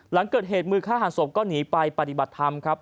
หลังเกิดเหตุมือฆ่าหันศพก็หนีไปปฏิบัติธรรมครับ